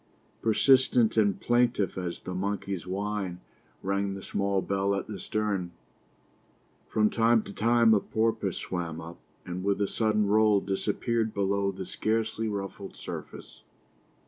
Persistent and plaintive as the monkey's whine rang the small bell at the stern. From time to time a porpoise swam up, and with a sudden roll disappeared below the scarcely ruffled surface.